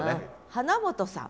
花本さん。